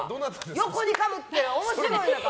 横にかぶって面白いのか！